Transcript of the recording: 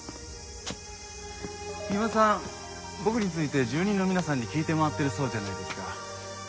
三馬さん僕について住民の皆さんに聞いて回ってるそうじゃないですか。